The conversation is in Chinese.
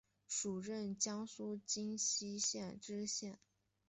署任江苏荆溪县知县。